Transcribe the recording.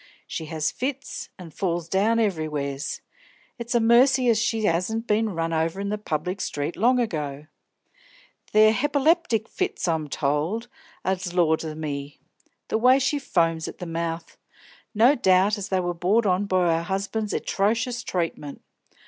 She has fits, an' falls down everywheres; it's a mercy as she 'asn't been run over in the public street long ago. They're hepiplectic fits, I'm told, an' laws o' me! the way she foams at the mouth! No doubt as they was brought on by her 'usband's etrocious treatment.